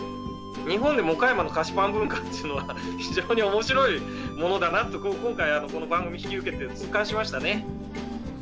日本でも岡山の菓子パン文化というのは非常に面白いものだなと今回この番組引き受けて痛感しましたね。